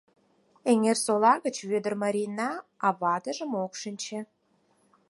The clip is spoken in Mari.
Эҥерсола гыч Вӧдыр Марина, а ватыжым ок шинче.